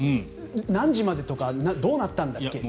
何時までとかどうなんだっけ。